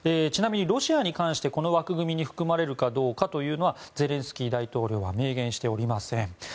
ちなみにロシアに関してこの枠組みに含まれるかどうかはゼレンスキー大統領は明言していません。